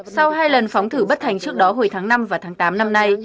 sau hai lần phóng thử bất thành trước đó hồi tháng năm và tháng tám năm nay